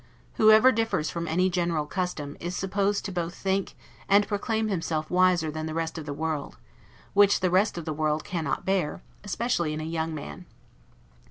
Whoever differs from any general custom, is supposed both to think, and proclaim himself wiser than the rest of the world: which the rest of the world cannot bear, especially in a young man.